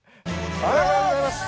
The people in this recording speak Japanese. おはようございます。